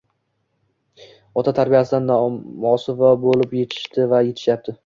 ota tarbiyasidan mosuvo bo‘lib yetishdi va yetishyapti.